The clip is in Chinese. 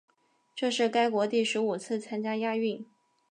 这是该国第十五次参加亚运。